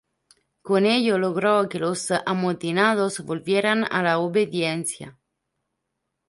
Con ello logró que los amotinados volvieran a la obediencia.